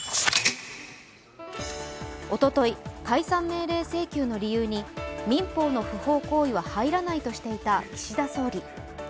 おととい、解散命令請求の理由に民法の不法行為は入らないとしていた岸田総理。